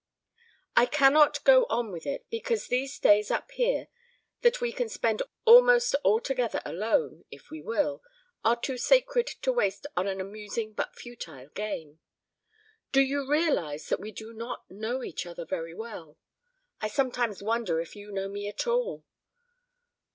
"I cannot go on with it because these days up here that we can spend almost altogether alone, if we will, are too sacred to waste on an amusing but futile game. Do you realize that we do not know each other very well? I sometimes wonder if you know me at all.